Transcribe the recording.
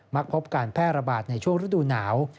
พบการแพร่ระบาดในช่วงฤดูหนาว